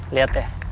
lu nekat banget sih